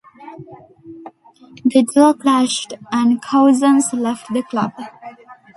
The duo clashed and Couzens left the club.